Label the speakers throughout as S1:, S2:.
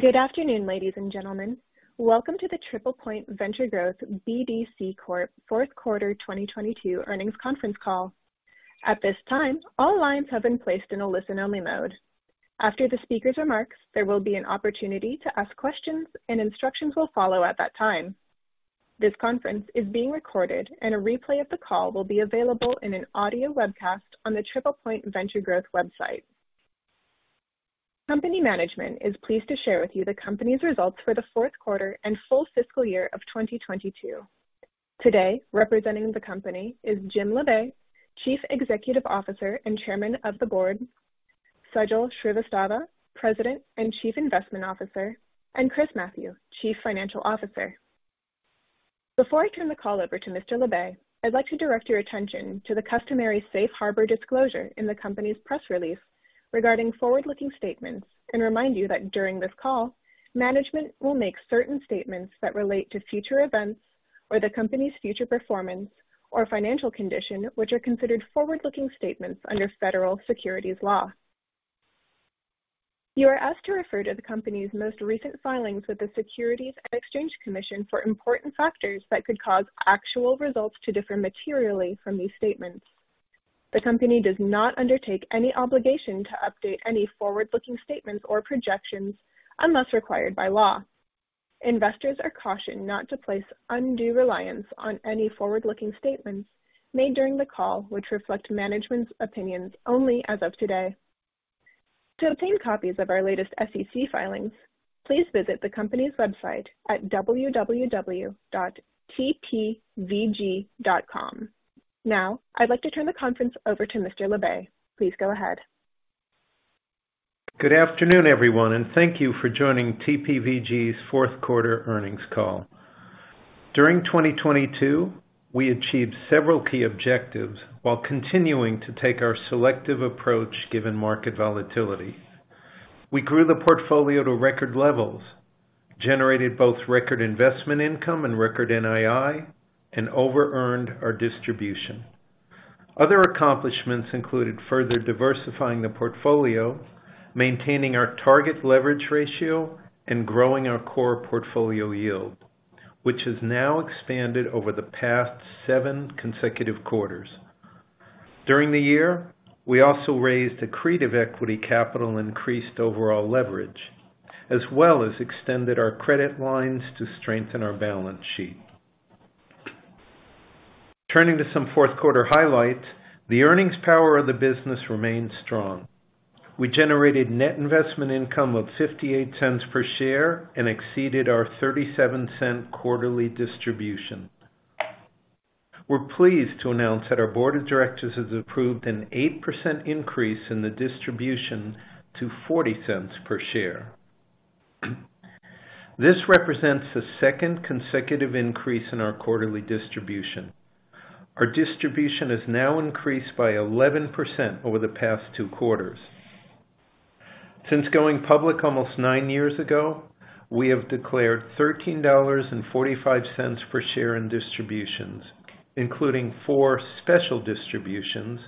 S1: Good afternoon, ladies and gentlemen. Welcome to the TriplePoint Venture Growth BDC Corp. Fourth Quarter 2022 Earnings Conference Call. At this time, all lines have been placed in a listen-only mode. After the speaker's remarks, there will be an opportunity to ask questions and instructions will follow at that time. This conference is being recorded and a replay of the call will be available in an audio webcast on the TriplePoint Venture Growth website. Company management is pleased to share with you the company's results for the fourth quarter and full fiscal year of 2022. Today, representing the company is Jim Labe, Chief Executive Officer and Chairman of the Board, Sajal Srivastava, President and Chief Investment Officer, and Chris Mathieu, Chief Financial Officer. Before I turn the call over to Mr. Labe, I'd like to direct your attention to the customary safe harbor disclosure in the company's press release regarding forward-looking statements and remind you that during this call, management will make certain statements that relate to future events or the company's future performance or financial condition, which are considered forward-looking statements under federal securities law. You are asked to refer to the company's most recent filings with the Securities and Exchange Commission for important factors that could cause actual results to differ materially from these statements. The company does not undertake any obligation to update any forward-looking statements or projections unless required by law. Investors are cautioned not to place undue reliance on any forward-looking statements made during the call, which reflect management's opinions only as of today. To obtain copies of our latest SEC filings, please visit the company's website at www.tpvg.com. Now, I'd like to turn the conference over to Mr. Labe. Please go ahead.
S2: Good afternoon, everyone, and thank you for joining TPVG's fourth quarter earnings call. During 2022, we achieved several key objectives while continuing to take our selective approach given market volatility. We grew the portfolio to record levels, generated both record investment income and record NII, and over-earned our distribution. Other accomplishments included further diversifying the portfolio, maintaining our target leverage ratio, and growing our core portfolio yield, which has now expanded over the past seven consecutive quarters. During the year, we also raised accretive equity capital, increased overall leverage, as well as extended our credit lines to strengthen our balance sheet. Turning to some fourth quarter highlights, the earnings power of the business remained strong. We generated net investment income of $0.58 per share and exceeded our $0.37 quarterly distribution. We're pleased to announce that our board of directors has approved an 8% increase in the distribution to $0.40 per share. This represents the second consecutive increase in our quarterly distribution. Our distribution has now increased by 11% over the past two quarters. Since going public almost nine years ago, we have declared $13.45 per share in distributions, including four special distributions,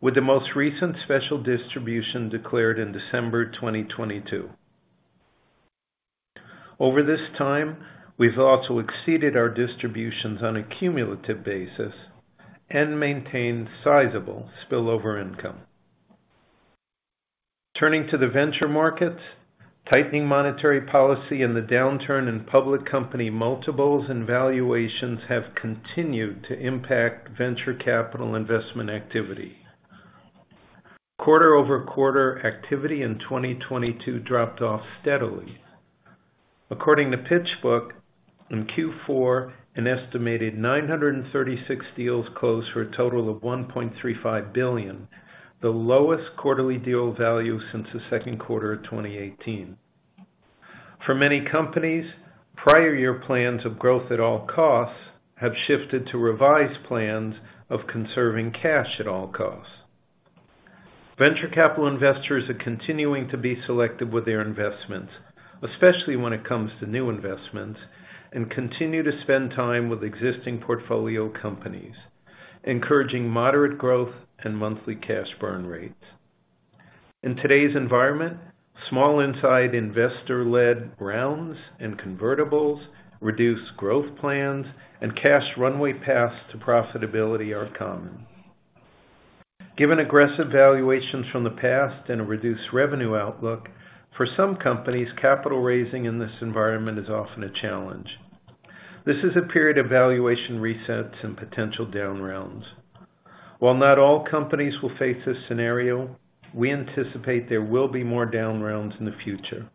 S2: with the most recent special distribution declared in December 2022. Over this time, we've also exceeded our distributions on a cumulative basis and maintained sizable spillover income. Turning to the venture market, tightening monetary policy and the downturn in public company multiples and valuations have continued to impact venture capital investment activity. Quarter-over-quarter activity in 2022 dropped off steadily. According to PitchBook, in Q4, an estimated 936 deals closed for a total of $1.35 billion, the lowest quarterly deal value since the second quarter of 2018. For many companies, prior year plans of growth at all costs have shifted to revised plans of conserving cash at all costs. Venture capital investors are continuing to be selective with their investments, especially when it comes to new investments, and continue to spend time with existing portfolio companies, encouraging moderate growth and monthly cash burn rates. In today's environment, small inside investor-led rounds and convertibles, reduced growth plans, and cash runway paths to profitability are common. Given aggressive valuations from the past and a reduced revenue outlook, for some companies, capital raising in this environment is often a challenge. This is a period of valuation resets and potential down rounds. While not all companies will face this scenario, we anticipate there will be more down rounds in the future.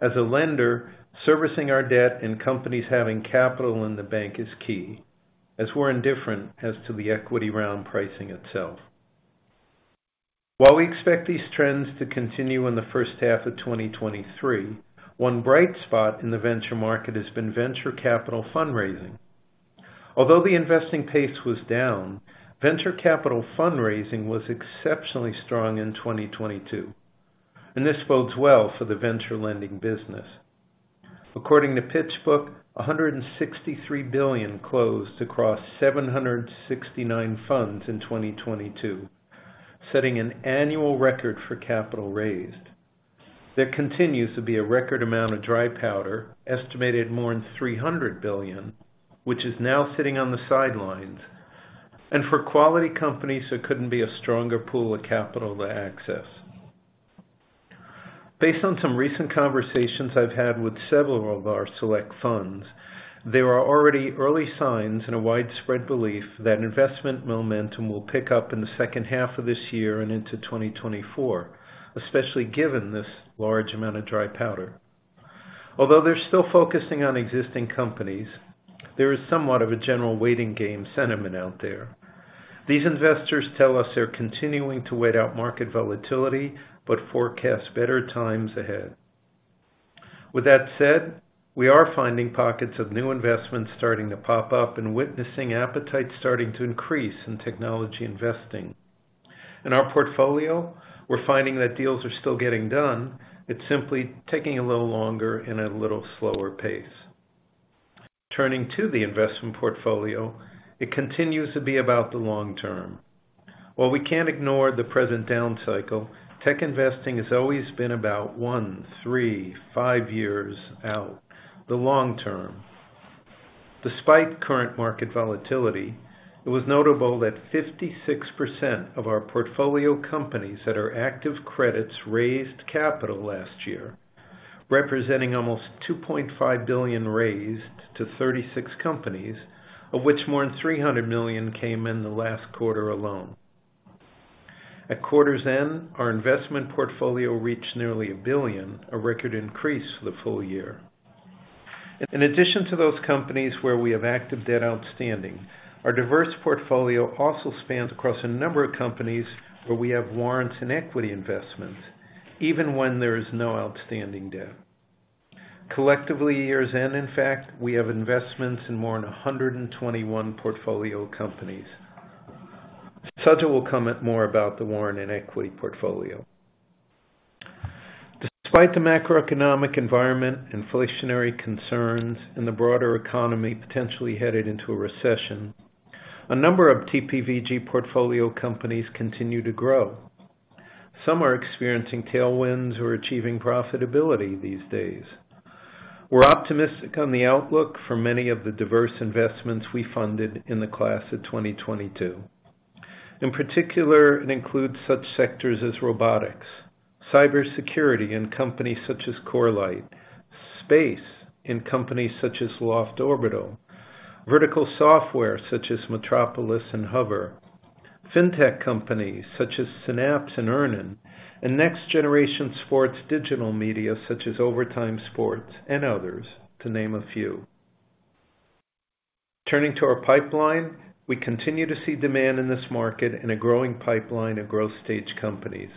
S2: As a lender, servicing our debt and companies having capital in the bank is key, as we're indifferent as to the equity round pricing itself. We expect these trends to continue in the first half of 2023, one bright spot in the venture market has been venture capital fundraising. Although the investing pace was down, venture capital fundraising was exceptionally strong in 2022. This bodes well for the venture lending business. According to PitchBook, $163 billion closed across 769 funds in 2022, setting an annual record for capital raised. There continues to be a record amount of dry powder, estimated more than $300 billion, which is now sitting on the sidelines. For quality companies, there couldn't be a stronger pool of capital to access. Based on some recent conversations I've had with several of our select funds, there are already early signs and a widespread belief that investment momentum will pick up in the second half of this year and into 2024, especially given this large amount of dry powder. Although they're still focusing on existing companies, there is somewhat of a general waiting game sentiment out there. These investors tell us they're continuing to wait out market volatility but forecast better times ahead. With that said, we are finding pockets of new investments starting to pop up and witnessing appetite starting to increase in technology investing. In our portfolio, we're finding that deals are still getting done. It's simply taking a little longer and a little slower pace. Turning to the investment portfolio, it continues to be about the long term. While we can't ignore the present down cycle, tech investing has always been about one, three, five years out, the long term. Despite current market volatility, it was notable that 56% of our portfolio companies that are active credits raised capital last year, representing almost $2.5 billion raised to 36 companies, of which more than $300 million came in the last quarter alone. At quarter's end, our investment portfolio reached nearly $1 billion, a record increase for the full year. In addition to those companies where we have active debt outstanding, our diverse portfolio also spans across a number of companies where we have warrants and equity investments, even when there is no outstanding debt. Collectively year's end, in fact, we have investments in more than 121 portfolio companies. Sajal will comment more about the warrant and equity portfolio. Despite the macroeconomic environment, inflationary concerns, and the broader economy potentially headed into a recession, a number of TPVG portfolio companies continue to grow. Some are experiencing tailwinds or achieving profitability these days. We're optimistic on the outlook for many of the diverse investments we funded in the class of 2022. In particular, it includes such sectors as robotics, cybersecurity in companies such as Corelight, space in companies such as Loft Orbital, vertical software such as Metropolis and Hover, fintech companies such as Synapse and EarnIn, and next-generation sports digital media such as Overtime and others, to name a few. Turning to our pipeline, we continue to see demand in this market and a growing pipeline of growth stage companies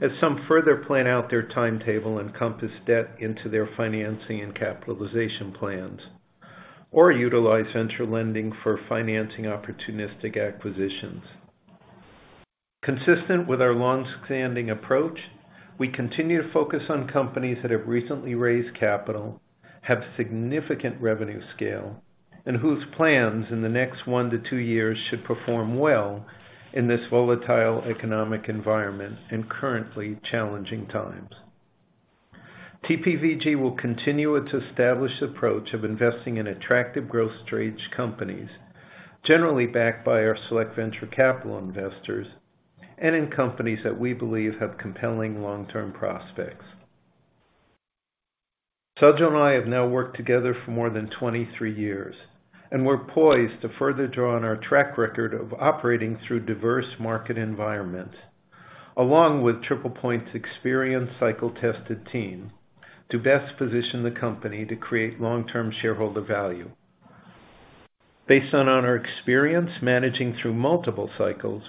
S2: as some further plan out their timetable encompass debt into their financing and capitalization plans or utilize venture lending for financing opportunistic acquisitions. Consistent with our longstanding approach, we continue to focus on companies that have recently raised capital, have significant revenue scale, and whose plans in the next one to two years should perform well in this volatile economic environment and currently challenging times. TPVG will continue its established approach of investing in attractive growth stage companies, generally backed by our select venture capital investors, and in companies that we believe have compelling long-term prospects. Sajal and I have now worked together for more than 23 years, and we're poised to further draw on our track record of operating through diverse market environments, along with TriplePoint's experienced cycle-tested team to best position the company to create long-term shareholder value. Based on our experience managing through multiple cycles,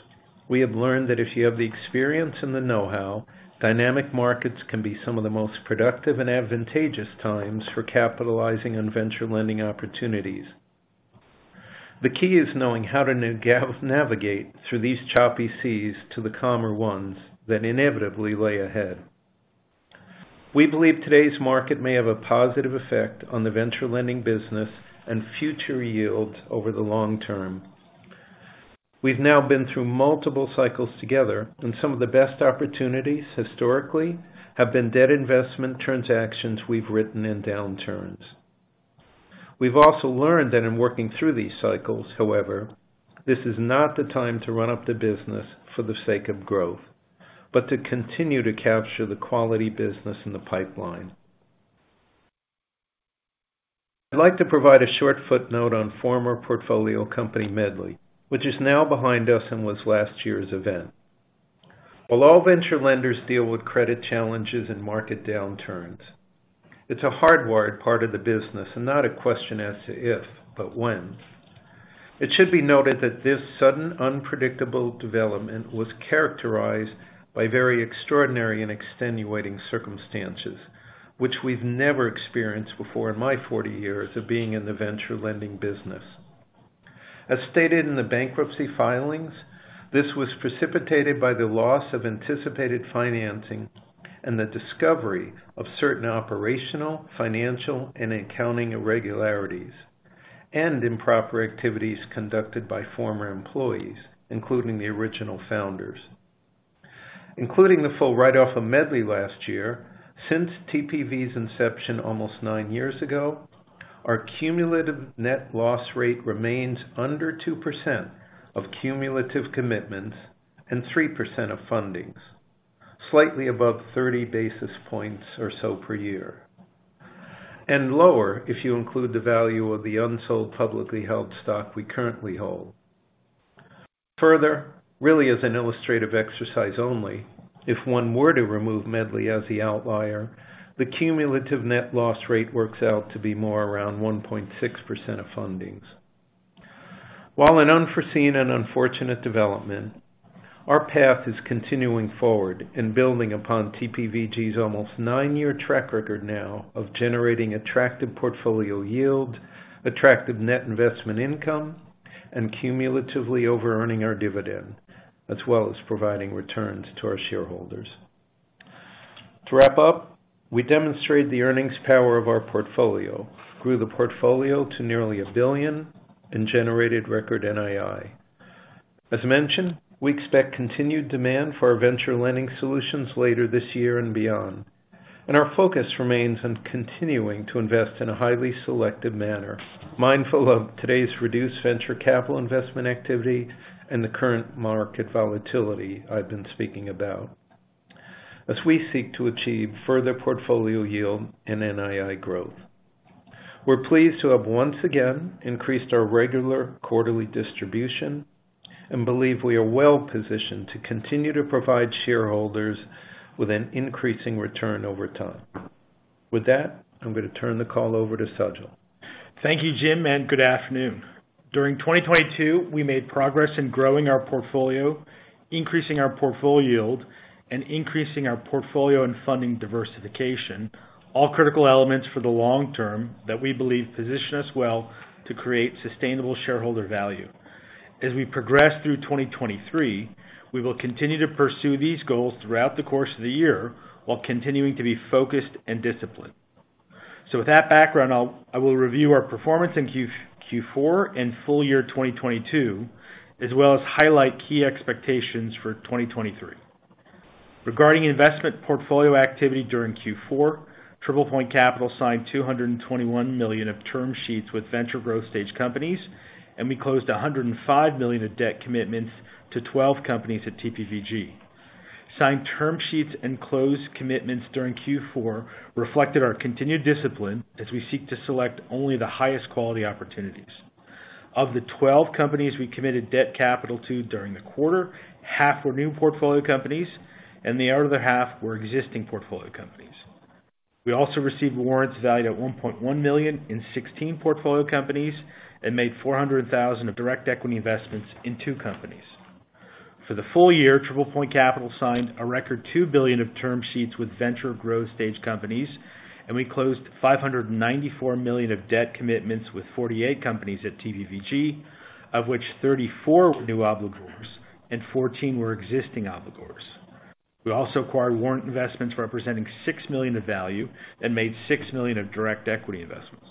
S2: we have learned that if you have the experience and the know-how, dynamic markets can be some of the most productive and advantageous times for capitalizing on venture lending opportunities. The key is knowing how to navigate through these choppy seas to the calmer ones that inevitably lay ahead. We believe today's market may have a positive effect on the venture lending business and future yields over the long term. We've now been through multiple cycles together, and some of the best opportunities historically have been debt investment transactions we've written in downturns. We've also learned that in working through these cycles, however, this is not the time to run up the business for the sake of growth, but to continue to capture the quality business in the pipeline. I'd like to provide a short footnote on former portfolio company Medly, which is now behind us and was last year's event. While all venture lenders deal with credit challenges and market downturns, it's a hardwired part of the business and not a question as to if, but when. It should be noted that this sudden unpredictable development was characterized by very extraordinary and extenuating circumstances, which we've never experienced before in my 40 years of being in the venture lending business. As stated in the bankruptcy filings, this was precipitated by the loss of anticipated financing and the discovery of certain operational, financial, and accounting irregularities and improper activities conducted by former employees, including the original founders. Including the full write-off of Medly last year, since TPVG's inception almost nine years ago, our cumulative net loss rate remains under 2% of cumulative commitments and 3% of fundings, slightly above 30 basis points or so per year, and lower if you include the value of the unsold publicly held stock we currently hold. Further, really as an illustrative exercise only, if one were to remove Medly as the outlier, the cumulative net loss rate works out to be more around 1.6% of fundings. While an unforeseen and unfortunate development, our path is continuing forward and building upon TPVG's almost nine-year track record now of generating attractive portfolio yield, attractive net investment income, and cumulatively overearning our dividend, as well as providing returns to our shareholders. To wrap up, we demonstrate the earnings power of our portfolio, grew the portfolio to nearly $1 billion, and generated record NII. As mentioned, we expect continued demand for our venture lending solutions later this year and beyond. Our focus remains on continuing to invest in a highly selective manner, mindful of today's reduced venture capital investment activity and the current market volatility I've been speaking about as we seek to achieve further portfolio yield and NII growth. We're pleased to have once again increased our regular quarterly distribution and believe we are well positioned to continue to provide shareholders with an increasing return over time. With that, I'm going to turn the call over to Sajal.
S3: Thank you, Jim, and good afternoon. During 2022, we made progress in growing our portfolio, increasing our portfolio yield, and increasing our portfolio and funding diversification, all critical elements for the long term that we believe position us well to create sustainable shareholder value. As we progress through 2023, we will continue to pursue these goals throughout the course of the year while continuing to be focused and disciplined. With that background, I will review our performance in Q4 and full year 2022, as well as highlight key expectations for 2023. Regarding investment portfolio activity during Q4, TriplePoint Capital signed $221 million of term sheets with venture growth stage companies, and we closed $105 million of debt commitments to 12 companies at TPVG. Signed term sheets and closed commitments during Q4 reflected our continued discipline as we seek to select only the highest quality opportunities. Of the 12 companies we committed debt capital to during the quarter, half were new portfolio companies and the other half were existing portfolio companies. We also received warrants valued at $1.1 million in 16 portfolio companies and made $400,000 of direct equity investments in two companies. For the full year, TriplePoint Capital signed a record $2 billion of term sheets with venture growth stage companies, and we closed $594 million of debt commitments with 48 companies at TPVG, of which 34 were new obligors and 14 were existing obligors. We also acquired warrant investments representing $6 million of value and made $6 million of direct equity investments.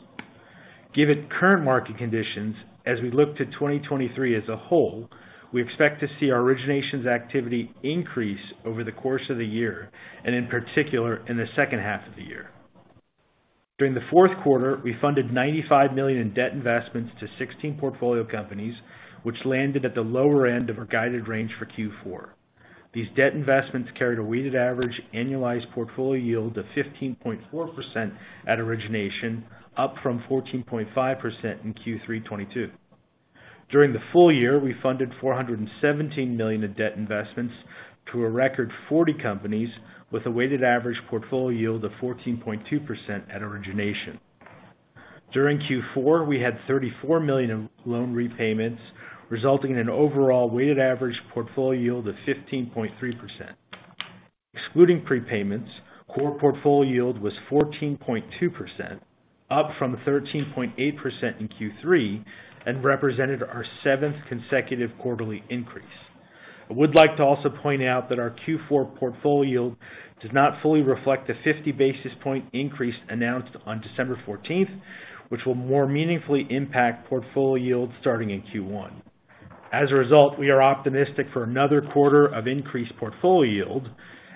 S3: Given current market conditions, as we look to 2023 as a whole, we expect to see our originations activity increase over the course of the year and in particular in the second half of the year. During the fourth quarter, we funded $95 million in debt investments to 16 portfolio companies, which landed at the lower end of our guided range for Q4. These debt investments carried a weighted average annualized portfolio yield of 15.4% at origination, up from 14.5% in Q3 2022. During the full year, we funded $417 million of debt investments to a record 40 companies with a weighted average portfolio yield of 14.2% at origination. During Q4, we had $34 million of loan repayments, resulting in an overall weighted average portfolio yield of 15.3%. Excluding prepayments, core portfolio yield was 14.2%, up from 13.8% in Q3, and represented our seventh consecutive quarterly increase. I would like to also point out that our Q4 portfolio yield does not fully reflect the 50 basis point increase announced on December 14th, which will more meaningfully impact portfolio yield starting in Q1. As a result, we are optimistic for another quarter of increased portfolio yield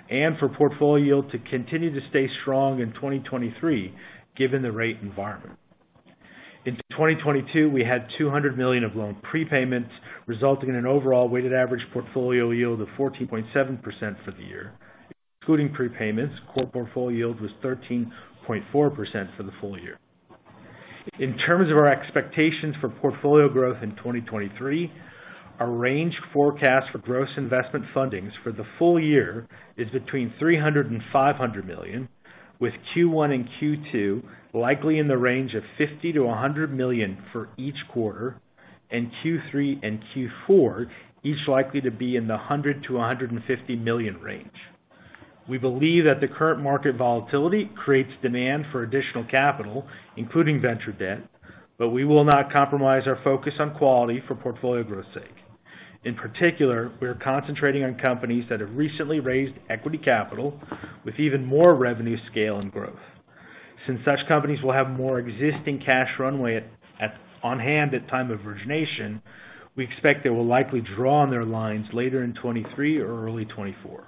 S3: and for portfolio yield to continue to stay strong in 2023 given the rate environment. In 2022, we had $200 million of loan prepayments, resulting in an overall weighted average portfolio yield of 14.7% for the year. Excluding prepayments, core portfolio yield was 13.4% for the full year. In terms of our expectations for portfolio growth in 2023, our range forecast for gross investment fundings for the full year is between $300 million and $500 million, with Q1 and Q2 likely in the range of $50 million-$100 million for each quarter, and Q3 and Q4 each likely to be in the $100 million-$150 million range. We believe that the current market volatility creates demand for additional capital, including venture debt, but we will not compromise our focus on quality for portfolio growth sake. In particular, we are concentrating on companies that have recently raised equity capital with even more revenue scale and growth. Since such companies will have more existing cash runway on hand at time of origination, we expect they will likely draw on their lines later in 2023 or early 2024.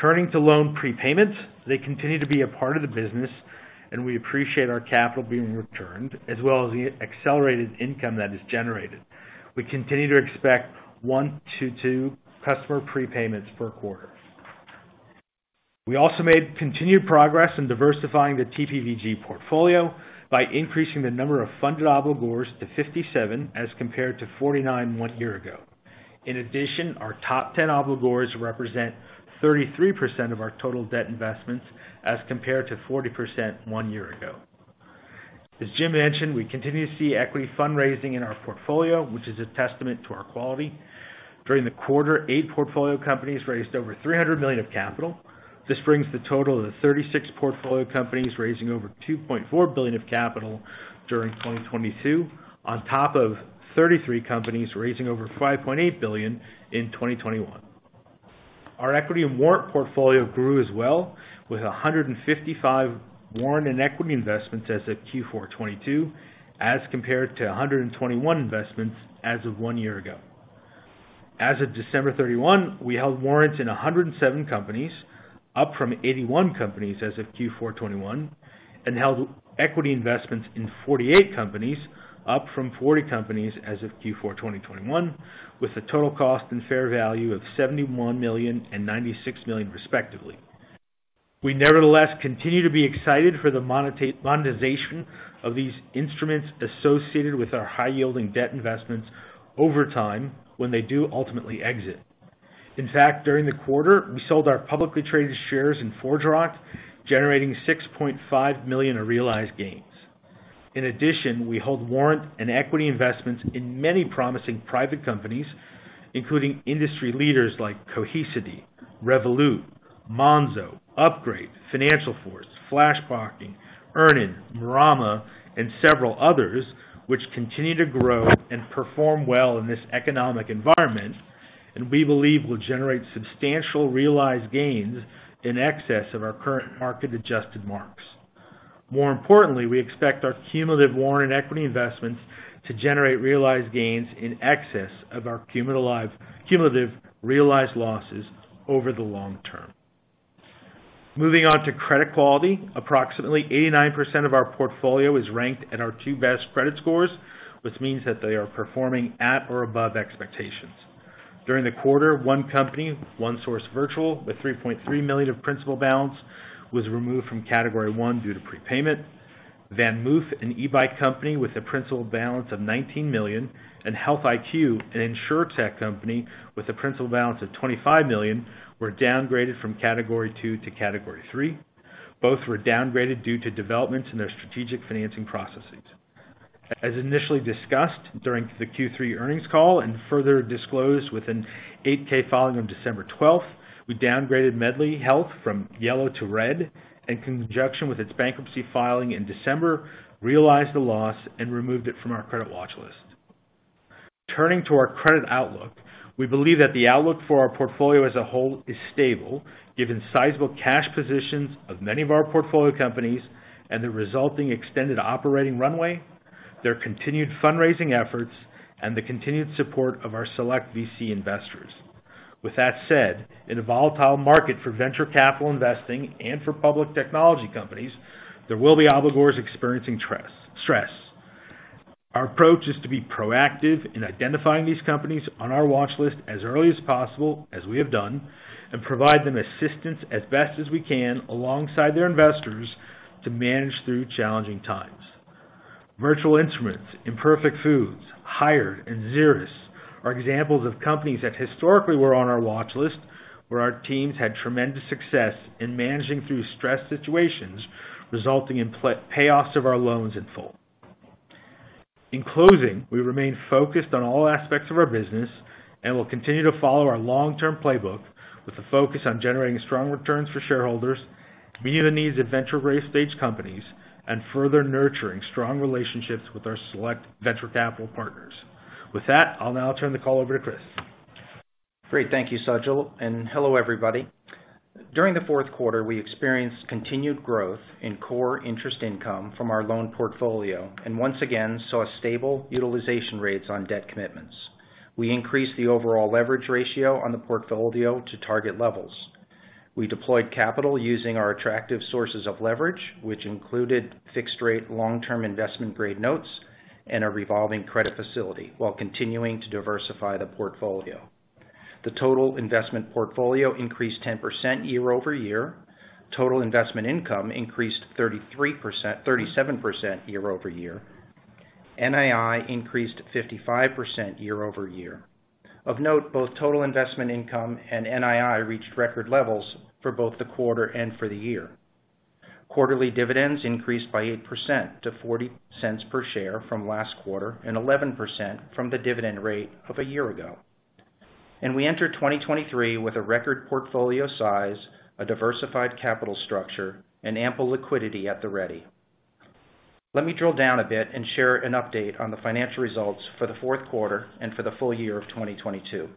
S3: Turning to loan prepayments, they continue to be a part of the business, and we appreciate our capital being returned as well as the accelerated income that is generated. We continue to expect one to two customer prepayments per quarter. We also made continued progress in diversifying the TPVG portfolio by increasing the number of funded obligors to 57 as compared to 49 one year ago. In addition, our top 10 obligors represent 33% of our total debt investments as compared to 40% one year ago. As Jim mentioned, we continue to see equity fundraising in our portfolio, which is a testament to our quality. During the quarter, eight portfolio companies raised over $300 million of capital. This brings the total of the 36 portfolio companies raising over $2.4 billion of capital during 2022, on top of 33 companies raising over $5.8 billion in 2021. Our equity and warrant portfolio grew as well, with 155 warrant and equity investments as of Q4 2022, as compared to 121 investments as of one year ago. As of December 31, we held warrants in 107 companies, up from 81 companies as of Q4 2021, and held equity investments in 48 companies, up from 40 companies as of Q4 2021, with a total cost and fair value of $71 million and $96 million respectively. We nevertheless continue to be excited for the monetization of these instruments associated with our high-yielding debt investments over time when they do ultimately exit. In fact, during the quarter, we sold our publicly traded shares in ForgeRock, generating $6.5 million of realized gains. We hold warrant and equity investments in many promising private companies, including industry leaders like Cohesity, Revolut, Monzo, Upgrade, FinancialForce, Flash Banking, EarnIn, Marama and several others, which continue to grow and perform well in this economic environment and we believe will generate substantial realized gains in excess of our current market adjusted marks. More importantly, we expect our cumulative warrant equity investments to generate realized gains in excess of our cumulative realized losses over the long term. Moving on to credit quality. Approximately 89% of our portfolio is ranked in our two best credit scores, which means that they are performing at or above expectations. During the quarter, one company, OneSource Virtual, with $3.3 million of principal balance was removed from category one due to prepayment. VanMoof, an e-bike company with a principal balance of $19 million, and Health IQ, an insurtech company with a principal balance of $25 million, were downgraded from category two to category three. Both were downgraded due to developments in their strategic financing processes. As initially discussed during the Q3 earnings call and further disclosed with an 8-K filing on December 12, we downgraded Medly Health from yellow to red in conjunction with its bankruptcy filing in December, realized the loss and removed it from our credit watch list. Turning to our credit outlook. We believe that the outlook for our portfolio as a whole is stable given sizable cash positions of many of our portfolio companies and the resulting extended operating runway, their continued fundraising efforts and the continued support of our select VC investors. With that said, in a volatile market for venture capital investing and for public technology companies, there will be obligors experiencing stress. Our approach is to be proactive in identifying these companies on our watch list as early as possible, as we have done, and provide them assistance as best as we can alongside their investors to manage through challenging times. Virtual Instruments, Imperfect Foods, Hired and Zirous are examples of companies that historically were on our watch list where our teams had tremendous success in managing through stress situations resulting in payoffs of our loans in full. In closing, we remain focused on all aspects of our business and will continue to follow our long-term playbook with a focus on generating strong returns for shareholders, meeting the needs of venture growth stage companies and further nurturing strong relationships with our select venture capital partners. With that, I'll now turn the call over to Chris Mathieu.
S4: Great. Thank you, Sajal. Hello everybody. During the fourth quarter, we experienced continued growth in core interest income from our loan portfolio and once again saw stable utilization rates on debt commitments. We increased the overall leverage ratio on the portfolio to target levels. We deployed capital using our attractive sources of leverage, which included fixed rate long term investment grade notes and a revolving credit facility while continuing to diversify the portfolio. The total investment portfolio increased 10% year-over-year. Total investment income increased 37% year-over-year. NII increased 55% year-over-year. Of note, both total investment income and NII reached record levels for both the quarter and for the year. Quarterly dividends increased by 8% to $0.40 per share from last quarter and 11% from the dividend rate of a year ago. We enter 2023 with a record portfolio size, a diversified capital structure, and ample liquidity at the ready. Let me drill down a bit and share an update on the financial results for the fourth quarter and for the full year of 2022.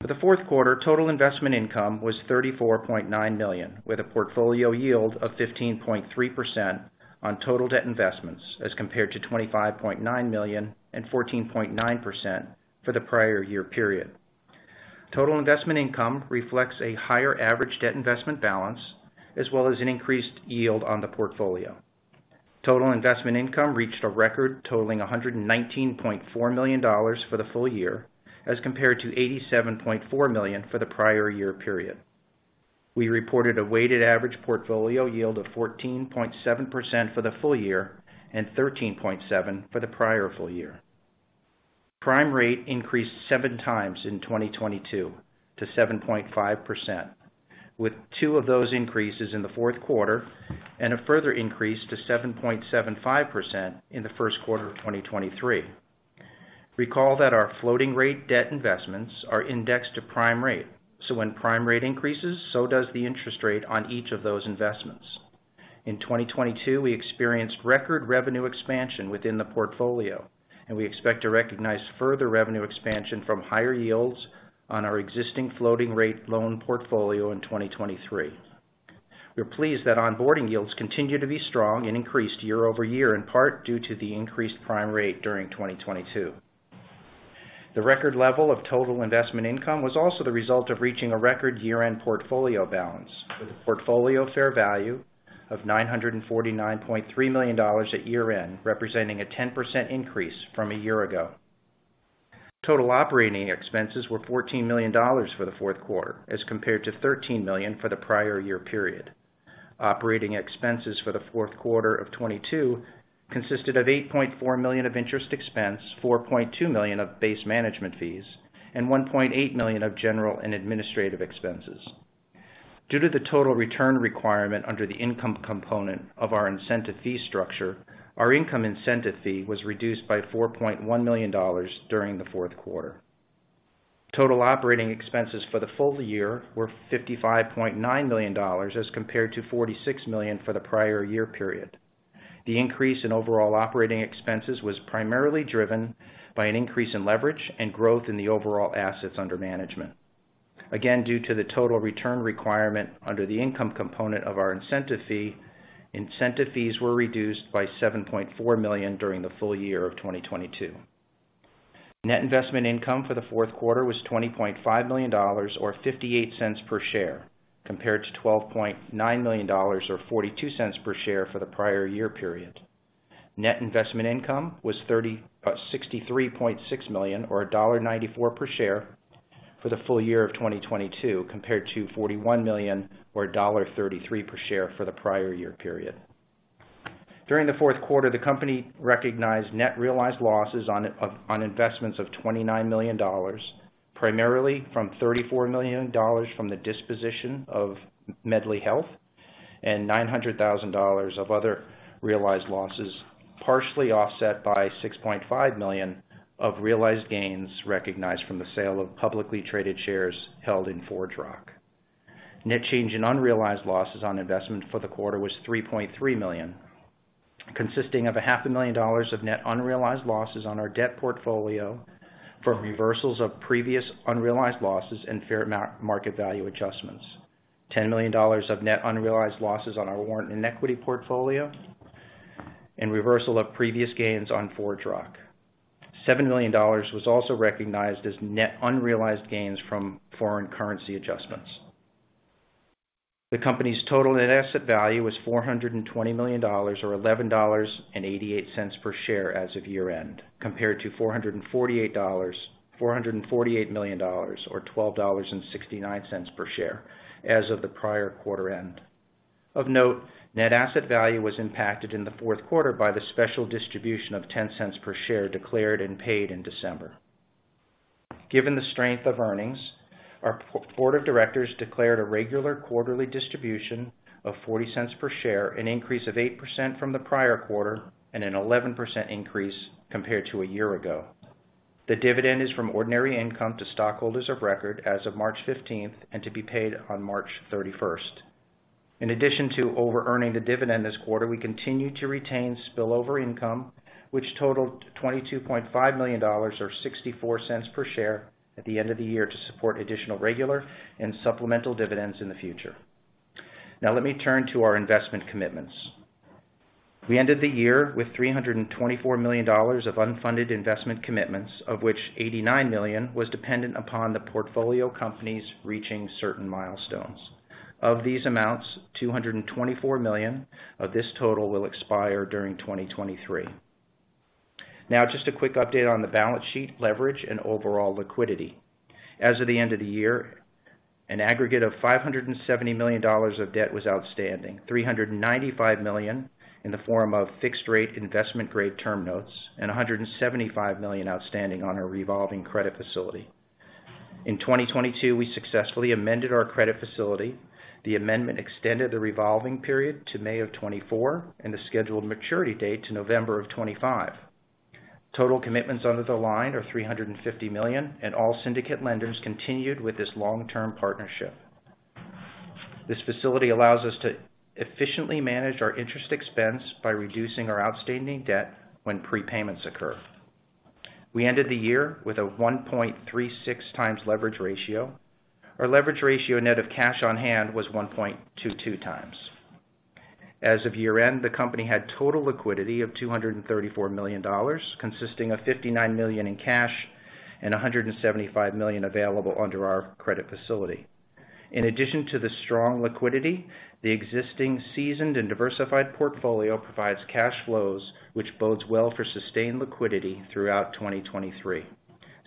S4: For the fourth quarter, total investment income was $34.9 million, with a portfolio yield of 15.3% on total debt investments, as compared to $25.9 million and 14.9% for the prior year period. Total investment income reflects a higher average debt investment balance as well as an increased yield on the portfolio. Total investment income reached a record totaling $119.4 million for the full year, as compared to $87.4 million for the prior year period. We reported a weighted average portfolio yield of 14.7% for the full year and 13.7% for the prior full year. Prime rate increased seven times in 2022 to 7.5%, with two of those increases in the fourth quarter and a further increase to 7.75% in the first quarter of 2023. Recall that our floating rate debt investments are indexed to prime rate, so when prime rate increases, so does the interest rate on each of those investments. In 2022, we experienced record revenue expansion within the portfolio, and we expect to recognize further revenue expansion from higher yields on our existing floating rate loan portfolio in 2023. We're pleased that onboarding yields continue to be strong and increased year-over-year in part due to the increased prime rate during 2022. The record level of total investment income was also the result of reaching a record year-end portfolio balance with a portfolio fair value of $949.3 million at year-end, representing a 10% increase from a year ago. Total operating expenses were $14 million for the fourth quarter as compared to $13 million for the prior year period. Operating expenses for the fourth quarter of 2022 consisted of $8.4 million of interest expense, $4.2 million of base management fees, and $1.8 million of general and administrative expenses. Due to the total return requirement under the income component of our incentive fee structure, our income incentive fee was reduced by $4.1 million during the fourth quarter. Total operating expenses for the full year were $55.9 million as compared to $46 million for the prior year period. The increase in overall operating expenses was primarily driven by an increase in leverage and growth in the overall assets under management. Again, due to the total return requirement under the income component of our incentive fee, incentive fees were reduced by $7.4 million during the full year of 2022. Net investment income for the fourth quarter was $20.5 million or $0.58 per share, compared to $12.9 million or $0.42 per share for the prior year period. Net investment income was $63.6 million or $1.94 per share for the full year of 2022, compared to $41 million or $1.33 per share for the prior year period. During the fourth quarter, the company recognized net realized losses on investments of $29 million, primarily from $34 million from the disposition of Medly Health and $900,000 of other realized losses, partially offset by $6.5 million of realized gains recognized from the sale of publicly traded shares held in ForgeRock. Net change in unrealized losses on investment for the quarter was $3.3 million, consisting of half a million dollars of net unrealized losses on our debt portfolio from reversals of previous unrealized losses and fair market value adjustments. $10 million of net unrealized losses on our warrant and equity portfolio and reversal of previous gains on ForgeRock. $7 million was also recognized as net unrealized gains from foreign currency adjustments. The company's total net asset value was $420 million or $11.88 per share as of year-end, compared to $448 million or $12.69 per share as of the prior quarter end. Of note, net asset value was impacted in the fourth quarter by the special distribution of $0.10 per share declared and paid in December. Given the strength of earnings, our board of directors declared a regular quarterly distribution of $0.40 per share, an increase of 8% from the prior quarter and an 11% increase compared to a year ago. The dividend is from ordinary income to stockholders of record as of March 15th, and to be paid on March 31st. In addition to over-earning the dividend this quarter, we continue to retain spillover income, which totaled $22.5 million or $0.64 per share at the end of the year to support additional regular and supplemental dividends in the future. Let me turn to our investment commitments. We ended the year with $324 million of unfunded investment commitments, of which $89 million was dependent upon the portfolio companies reaching certain milestones. Of these amounts, $224 million of this total will expire during 2023. Just a quick update on the balance sheet leverage and overall liquidity. As of the end of the year, an aggregate of $570 million of debt was outstanding. $395 million in the form of fixed rate investment grade term notes and $175 million outstanding on our revolving credit facility. In 2022, we successfully amended our credit facility. The amendment extended the revolving period to May of 2024 and the scheduled maturity date to November of 2025. Total commitments under the line are $350 million, and all syndicate lenders continued with this long-term partnership. This facility allows us to efficiently manage our interest expense by reducing our outstanding debt when prepayments occur. We ended the year with a 1.36x leverage ratio. Our leverage ratio net of cash on hand was 1.22x. As of year-end, the company had total liquidity of $234 million, consisting of $59 million in cash and $175 million available under our credit facility. In addition to the strong liquidity, the existing seasoned and diversified portfolio provides cash flows, which bodes well for sustained liquidity throughout 2023.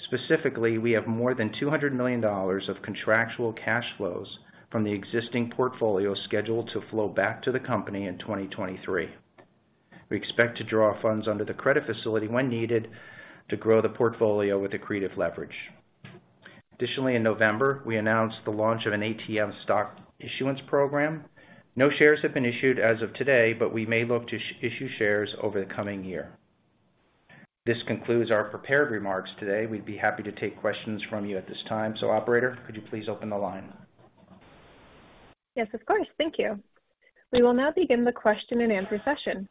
S4: Specifically, we have more than $200 million of contractual cash flows from the existing portfolio scheduled to flow back to the company in 2023. We expect to draw funds under the credit facility when needed to grow the portfolio with accretive leverage. In November, we announced the launch of an ATM stock issuance program. No shares have been issued as of today, we may look to issue shares over the coming year. This concludes our prepared remarks today. We'd be happy to take questions from you at this time. Operator, could you please open the line?
S1: Yes, of course. Thank you. We will now begin the question and answer session.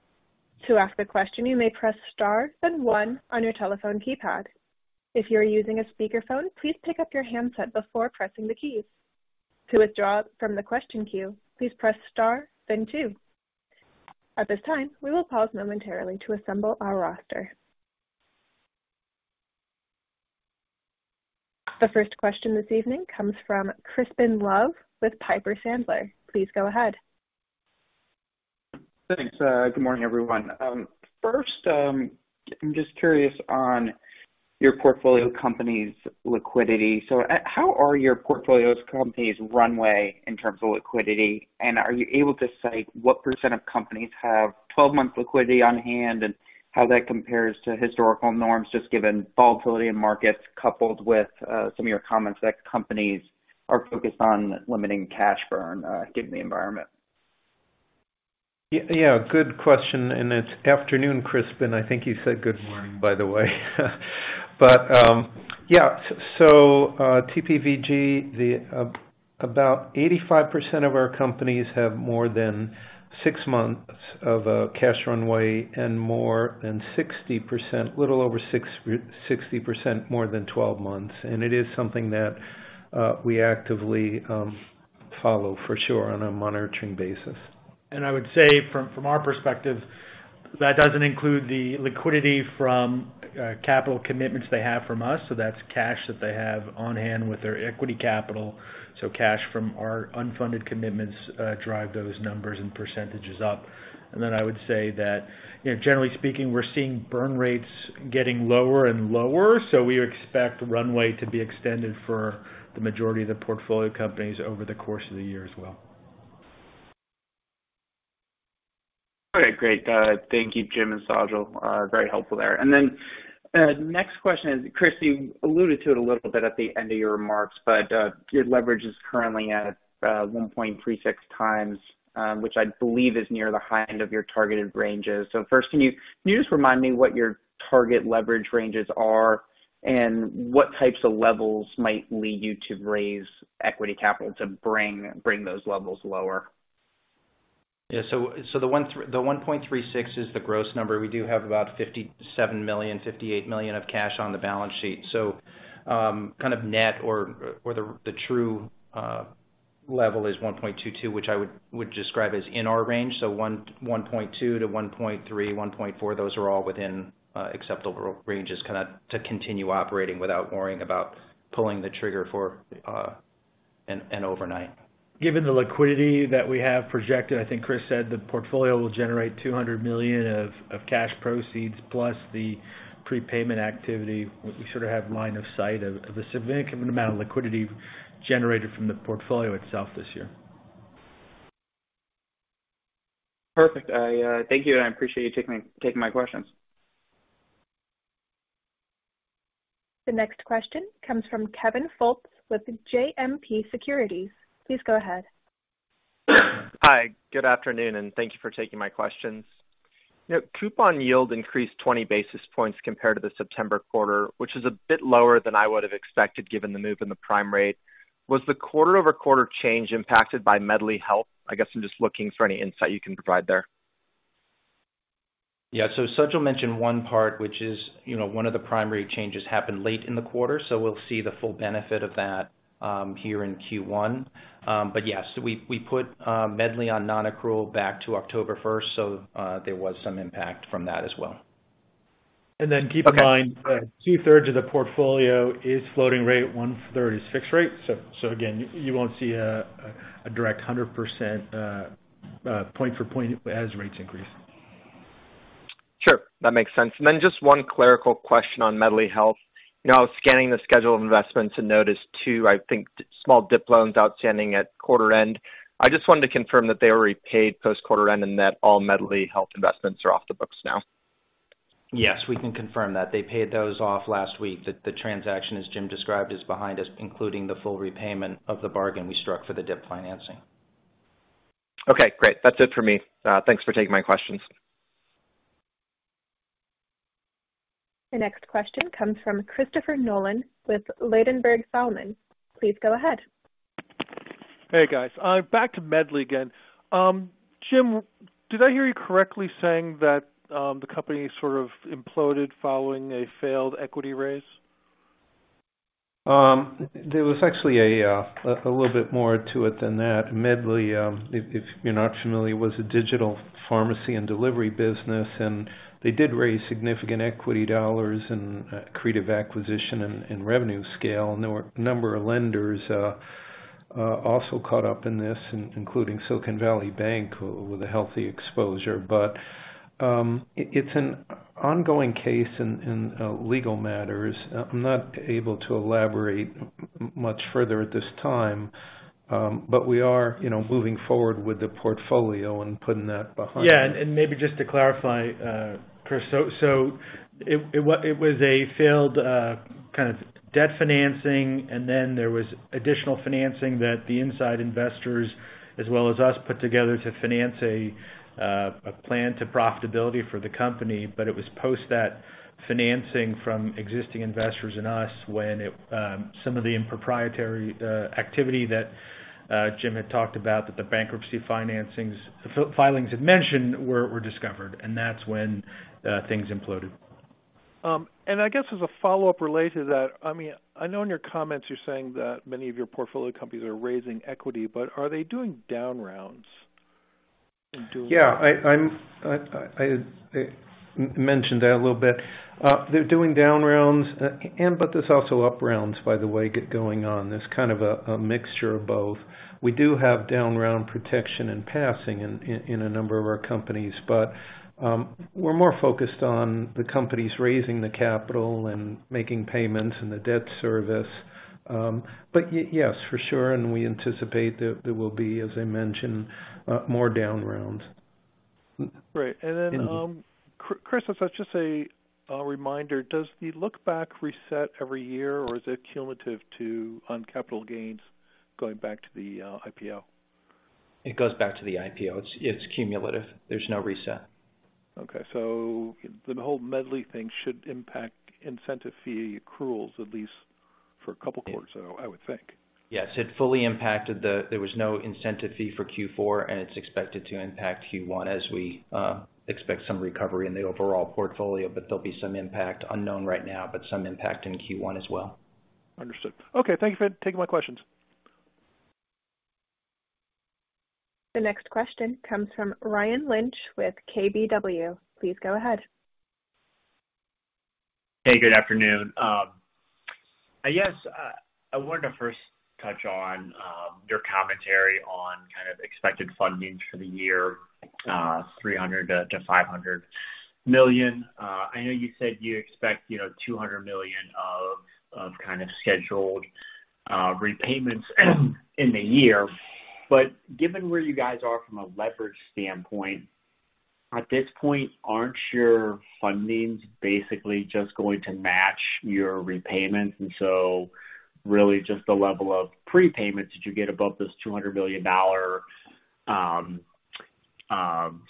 S1: To ask a question, you may press star then one on your telephone keypad. If you're using a speaker phone, please pick up your handset before pressing the keys. To withdraw from the question queue, please press star then two. At this time, we will pause momentarily to assemble our roster. The first question this evening comes from Crispin Love with Piper Sandler. Please go ahead.
S5: Thanks. Good morning, everyone. First, I'm just curious on your portfolio company's liquidity. How are your portfolio's companies runway in terms of liquidity, and are you able to cite what % of companies have 12-month liquidity on hand, and how that compares to historical norms, just given volatility in markets coupled with some of your comments that companies are focused on limiting cash burn given the environment?
S3: Yeah, good question. It's afternoon, Crispin. I think you said good morning, by the way. Yeah, so TPVG, about 85% of our companies have more than six months of cash runway and more than 60%, little over 60% more than 12 months. It is something that we actively follow for sure on a monitoring basis.
S2: I would say from our perspective, that doesn't include the liquidity from capital commitments they have from us. That's cash that they have on hand with their equity capital. Cash from our unfunded commitments drive those numbers and percentages up. Then I would say that, you know, generally speaking, we're seeing burn rates getting lower and lower. We expect runway to be extended for the majority of the portfolio companies over the course of the year as well.
S5: Okay, great. Thank you, Jim and Sajal. Very helpful there. Next question is, Chris, you alluded to it a little bit at the end of your remarks, your leverage is currently at 1.36x, which I believe is near the high end of your targeted ranges. First, can you just remind me what your target leverage ranges are and what types of levels might lead you to raise equity capital to bring those levels lower?
S4: The 1.36x is the gross number. We do have about $57 million-$58 million of cash on the balance sheet. Kind of net or the true level is 1.22x, which I would describe as in our range. 1.2x-1.3x, 1.4x, those are all within acceptable ranges kinda to continue operating without worrying about pulling the trigger for an overnight.
S3: Given the liquidity that we have projected, I think Chris said the portfolio will generate $200 million of cash proceeds plus the prepayment activity. We sort of have line of sight of a significant amount of liquidity generated from the portfolio itself this year.
S5: Perfect. I, thank you, and I appreciate you taking my questions.
S1: The next question comes from Kevin Fultz with JMP Securities. Please go ahead.
S6: Hi, good afternoon, and thank you for taking my questions. You know, coupon yield increased 20 basis points compared to the September quarter, which is a bit lower than I would've expected given the move in the prime rate. Was the quarter-over-quarter change impacted by Medly Health? I guess I'm just looking for any insight you can provide there.
S4: Yeah. Sajal mentioned one part, which is, you know, one of the primary changes happened late in the quarter. We'll see the full benefit of that here in Q1. Yeah, we put Medly on non-accrual back to October first. There was some impact from that as well.
S3: Keep in mind, 2/3 of the portfolio is floating rate at 136 rate. Again, you won't see a direct 100% point for point as rates increase.
S6: Sure. That makes sense. Then just one clerical question on Medly Health. You know, I was scanning the schedule of investments and noticed two, I think, small DIP loans outstanding at quarter end. I just wanted to confirm that they were repaid post quarter end and that all Medly Health investments are off the books now.
S3: Yes, we can confirm that. They paid those off last week. The transaction, as Jim described, is behind us, including the full repayment of the bargain we struck for the DIP financing.
S6: Okay, great. That's it for me. Thanks for taking my questions.
S1: The next question comes from Christopher Nolan with Ladenburg Thalmann. Please go ahead.
S7: Hey, guys. back to Medly again. Jim, did I hear you correctly saying that the company sort of imploded following a failed equity raise?
S2: There was actually a little bit more to it than that. Medly, if you're not familiar, was a digital pharmacy and delivery business, and they did raise significant equity dollars in creative acquisition and revenue scale. There were a number of lenders also caught up in this, including Silicon Valley Bank with a healthy exposure. It's an ongoing case and legal matters. I'm not able to elaborate much further at this time. We are, you know, moving forward with the portfolio and putting that behind us.
S3: Yeah, maybe just to clarify, Chris. It was a failed, kind of debt financing, and then there was additional financing that the inside investors as well as us put together to finance a plan to profitability for the company. It was post that financing from existing investors and us when it, some of the proprietary activity that Jim had talked about, that the bankruptcy filings had mentioned were discovered, and that's when things imploded.
S7: I guess as a follow-up related to that, I mean, I know in your comments you're saying that many of your portfolio companies are raising equity, but are they doing down rounds?
S2: Yeah. I mentioned that a little bit. They're doing down rounds, and but there's also up rounds, by the way, get going on. There's kind of a mixture of both. We do have down round protection and passing in a number of our companies. We're more focused on the companies raising the capital and making payments and the debt service. But yes, for sure, and we anticipate that there will be, as I mentioned, more down rounds.
S7: Right. Chris, as just a reminder, does the look back reset every year, or is it cumulative to on capital gains going back to the IPO?
S4: It goes back to the IPO. It's cumulative. There's no reset.
S7: Okay. The whole Medly thing should impact incentive fee accruals, at least for a couple quarters, I would think.
S4: Yes, it fully impacted. There was no incentive fee for Q4. It's expected to impact Q1 as we expect some recovery in the overall portfolio. There'll be some impact unknown right now, but some impact in Q1 as well.
S7: Understood. Okay. Thank you for taking my questions.
S1: The next question comes from Ryan Lynch with KBW. Please go ahead.
S8: Hey, good afternoon. I guess, I wanted to first touch on your commentary on kind of expected fundings for the year, $300 million-$500 million. I know you said you expect, you know, $200 million of kind of scheduled repayments in the year. Given where you guys are from a leverage standpoint, at this point, aren't your fundings basically just going to match your repayments? Really just the level of prepayments that you get above this $200 million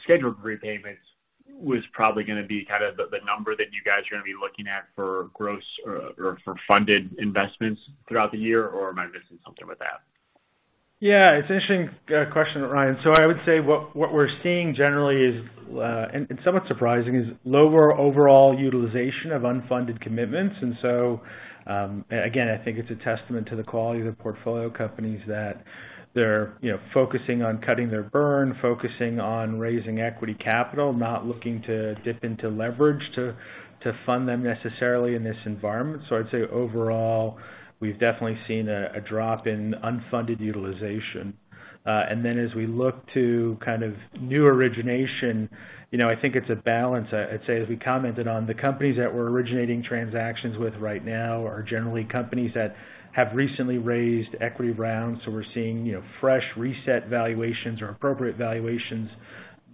S8: scheduled repayments was probably gonna be kind of the number that you guys are gonna be looking at for gross or for funded investments throughout the year, or am I missing something with that?
S3: Yeah, it's an interesting question, Ryan. I would say what we're seeing generally is, and it's somewhat surprising, is lower overall utilization of unfunded commitments. Again, I think it's a testament to the quality of the portfolio companies that they're, you know, focusing on cutting their burn, focusing on raising equity capital, not looking to dip into leverage to fund them necessarily in this environment. I'd say overall, we've definitely seen a drop in unfunded utilization. As we look to kind of new origination, you know, I think it's a balance. I'd say, as we commented on the companies that we're originating transactions with right now are generally companies that have recently raised equity rounds. We're seeing, you know, fresh reset valuations or appropriate valuations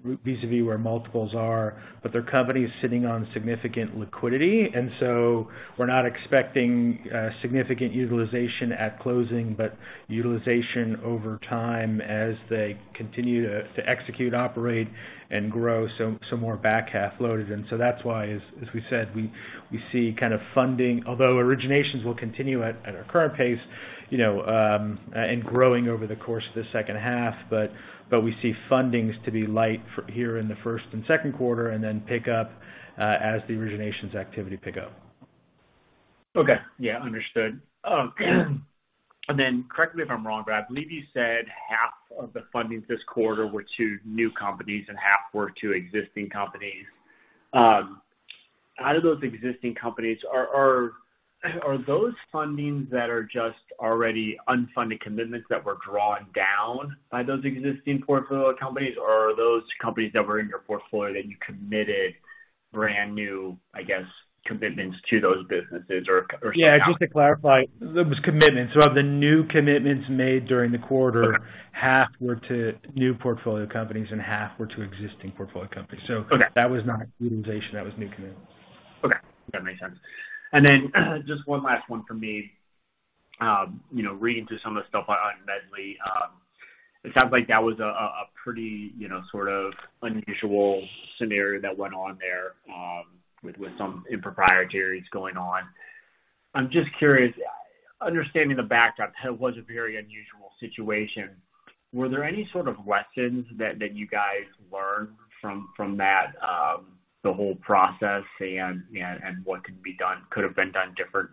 S3: vis-à-vis where multiples are. Their company is sitting on significant liquidity, we're not expecting significant utilization at closing, but utilization over time as they continue to execute, operate and grow, more back half loaded. That's why, as we said, we see kind of funding, although originations will continue at a current pace, you know, and growing over the course of the second half, we see fundings to be light here in the first and second quarter and then pick up as the originations activity pick up.
S8: Okay. Yeah, understood. Correct me if I'm wrong, but I believe you said half of the fundings this quarter were to new companies and half were to existing companies. Out of those existing companies, are those fundings that are just already unfunded commitments that were drawn down by those existing portfolio companies? Or are those companies that were in your portfolio that you committed brand new, I guess, commitments to those businesses or somehow.
S3: Yeah, just to clarify, it was commitments. Of the new commitments made during the quarter.
S8: Okay.
S3: half were to new portfolio companies and half were to existing portfolio companies.
S8: Okay.
S3: That was not utilization, that was new commitment.
S8: Okay. That makes sense. Then just one last one for me. You know, reading through some of the stuff on Medly, it sounds like that was a pretty, you know, sort of unusual scenario that went on there, with some improprieties going on. I'm just curious, understanding the backdrop, that was a very unusual situation. Were there any sort of lessons that you guys learned from that the whole process and what could have been done different,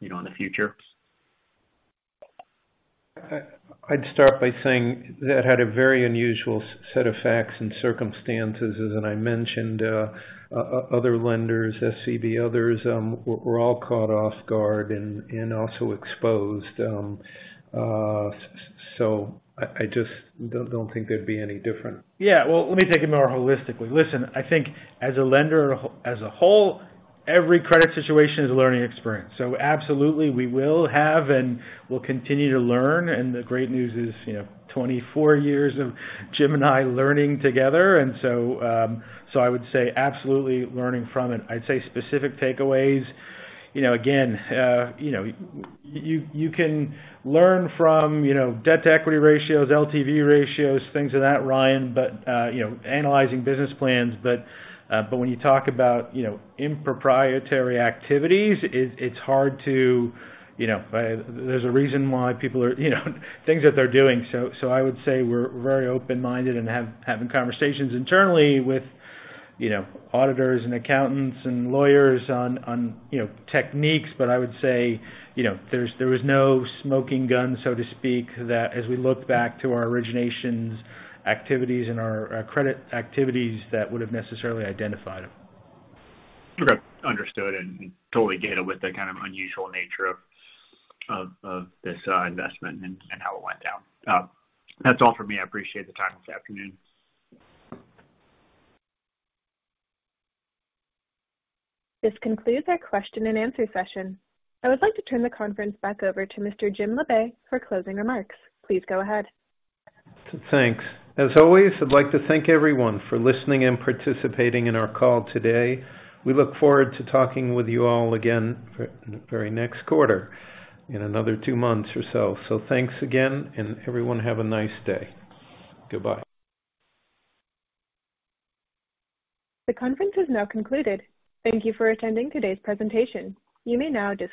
S8: you know, in the future?
S2: I'd start by saying that had a very unusual set of facts and circumstances, as I mentioned. Other lenders, SVB, others, were all caught off guard and also exposed. I just don't think there'd be any different.
S3: Yeah. Well, let me take it more holistically. Listen, I think as a lender as a whole, every credit situation is a learning experience. Absolutely, we will have and will continue to learn. The great news is, you know, 24 years of Jim and I learning together. I would say absolutely learning from it. I'd say specific takeaways, you know, again, you know, you can learn from, you know, debt-to-equity ratios, LTV ratios, things of that, Ryan. You know, analyzing business plans. But when you talk about, you know, improprietary activities, it's hard to, you know, there's a reason why people are, you know, things that they're doing. I would say we're very open-minded and having conversations internally with, you know, auditors and accountants and lawyers on, you know, techniques. I would say, you know, there was no smoking gun, so to speak, that as we look back to our originations activities and our credit activities that would have necessarily identified them.
S8: Okay. Understood and totally get it with the kind of unusual nature of this investment and how it went down. That's all for me. I appreciate the time this afternoon.
S1: This concludes our question and answer session. I would like to turn the conference back over to Mr. Jim Labe for closing remarks. Please go ahead.
S2: Thanks. As always, I'd like to thank everyone for listening and participating in our call today. We look forward to talking with you all again for the very next quarter in another two months or so. Thanks again, and everyone have a nice day. Goodbye.
S1: The conference is now concluded. Thank you for attending today's presentation. You may now disconnect.